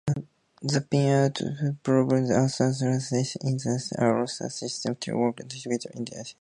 The pinout provides a standardized interface that allows different systems to work together effectively.